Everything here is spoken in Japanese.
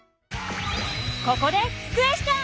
ここでクエスチョン！